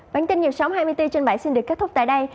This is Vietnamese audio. bản tin nhiều sóng hai mươi bốn trên bảy xin được kết thúc tại đây